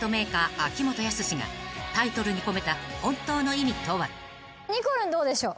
秋元康がタイトルに込めた本当の意味とは？］にこるんどうでしょう。